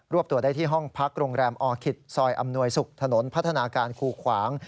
วบตัวได้ที่ห้องพักโรงแรมออคิตซอยอำนวยศุกร์ถนนพัฒนาการคูขวาง